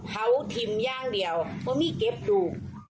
ดูทิมแย่งเดียวเพราะมี่เก็บดู